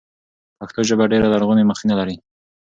پښتو ژبه ډېره لرغونې مخینه لري.